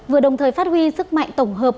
vừa đồng thời phát huy sức mạnh tổng hợp